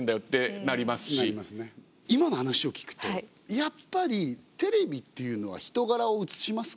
今の話を聞くとやっぱりテレビっていうのは人柄を映しますか？